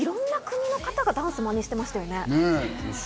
いろんな国の方がダンスをマネしていましたね。